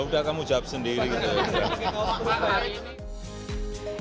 udah kamu jawab sendiri